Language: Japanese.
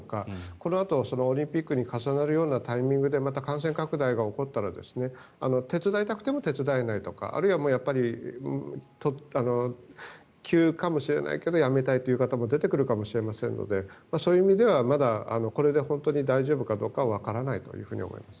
このあとオリンピックに重なるようなタイミングでまた感染拡大が起こったら手伝いたくても手伝えないとかあるいはもう、やっぱり急かもしれないけれどやめたいという方も出てくるかもしれませんのでそういう意味では、まだこれで本当に大丈夫かどうかはわからないというふうに思います。